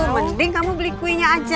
mending kamu beli kuenya aja